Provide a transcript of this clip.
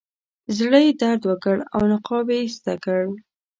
زړه یې درد وکړ او نقاب یې ایسته کړ.